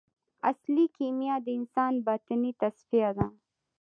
اصلي کیمیا د انسان باطني تصفیه ده.